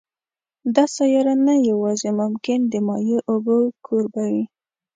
دا سیاره نه یوازې ممکن د مایع اوبو کوربه وي